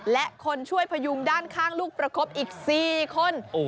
และคนช่วยพยุงด้านข้างลูกประคบอีก๔คน